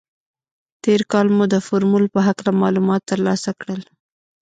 تېر کال مو د فورمول په هکله معلومات تر لاسه کړل.